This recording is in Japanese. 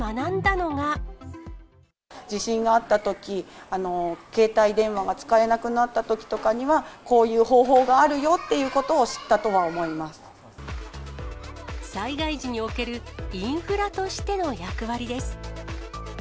地震があったとき、携帯電話が使えなくなったときとかには、こういう方法があるよっ災害時におけるインフラとしての役割です。